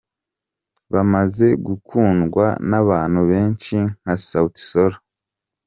Bamaze gukundwa n’abantu benshi nka Sawuti Sol”.